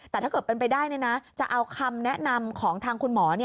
แต่ถ้าเกิดเป็นไปได้จะเอาคำแนะนำของทางคุณหมอ